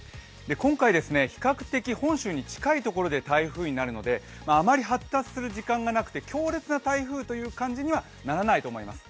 今回、比較的本州に近いところで台風になるので、あまり発達する時間がなくて強烈な台風という感じにはならないと思います。